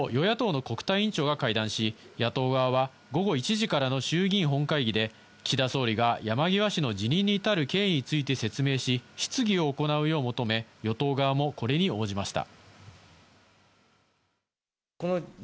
一方、与野党の国対委員長が会談し、野党側は午後１時からの衆議院本会議で岸田総理が山際氏の辞任に至る経緯について説明し、質疑を行うよう求め、与党側もこれに応じました。